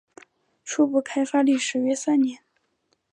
初步开发历时约三年。